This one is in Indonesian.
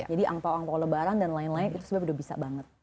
jadi angpao angpao lebaran dan lain lain itu sudah bisa banget